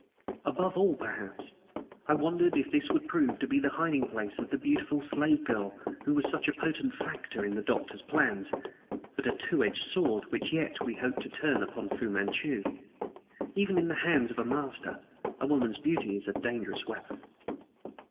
Above all, perhaps, I wondered if this would prove to be the hiding place of the beautiful slave girl who was such a potent factor in the Doctor's plans, but a two edged sword which yet we hoped to turn upon Fu Manchu. Even in the hands of a master, a woman's beauty is a dangerous weapon.